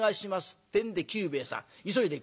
ってんで久兵衛さん急いで国へ。